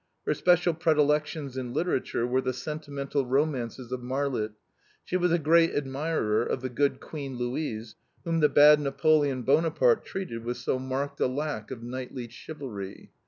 Her special predilections in literature were the sentimental romances of Marlitt; she was a great admirer of the good Queen Louise, whom the bad Napoleon Buonaparte treated with so marked a lack of knightly chivalry.